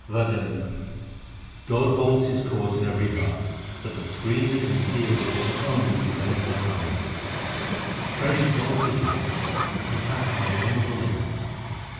WADHANS God holds His court in every heart, but the screen that conceals it can only be rent by piety : Very exalted is His court ; It hath no end or limits.